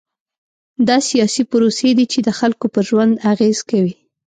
دا سیاسي پروسې دي چې د خلکو پر ژوند اغېز کوي.